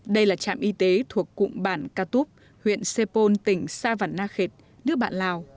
đây là trạm y tế thuộc cụm bản catup huyện sepol tỉnh sa văn đa khệt nước bạn lào